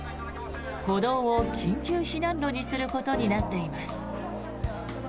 歩道を緊急避難路にすることになっています。